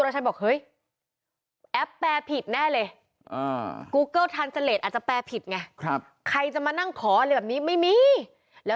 หือ